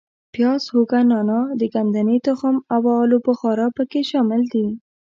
پیاز، هوګه، نانا، د ګدنې تخم او آلو بخارا په کې شامل دي.